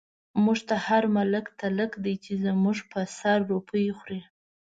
موږ ته هر ملک تلک دی، چی زموږ په سر روپۍ خوری